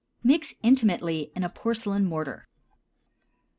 Mix intimately in a porcelain mortar.